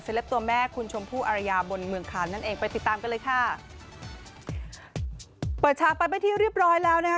เล็ปตัวแม่คุณชมพู่อารยาบนเมืองคานนั่นเองไปติดตามกันเลยค่ะเปิดฉากไปไปที่เรียบร้อยแล้วนะคะ